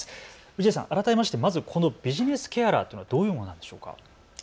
氏家さん、改めましてまずこのビジネスケアラーというのはどういうものでしょうか。